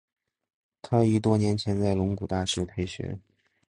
他于多年前在龙谷大学退学。